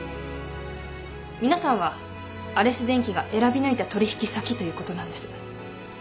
皆さんはアレス電機が選び抜いた取引先ということなんです。